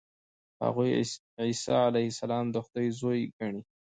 هغوی عیسی علیه السلام د خدای زوی ګڼي.